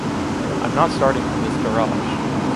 I’m not starting from this garage.